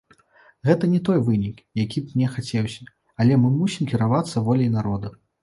Гэта не той вынік, які б мне хацеўся, але мы мусім кіравацца воляй народа.